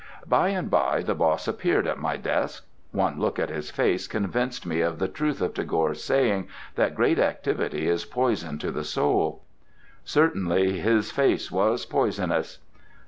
By and by the boss appeared at my desk. One look at his face convinced me of the truth of Tagore's saying that great activity is poison to the soul. Certainly his face was poisonous.